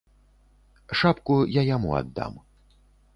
Шапку я яму аддам.